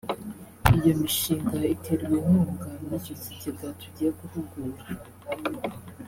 iyo mishinga iterwa inkunga n’icyo kigega tugiye guhugura